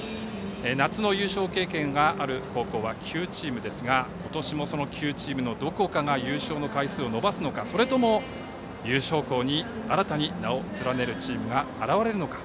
夏の優勝経験がある高校は９チームですが今年も、その９チームのどこかが優勝の回数を伸ばすのかそれとも、優勝校に新たに名を連ねるチームが現れるのか。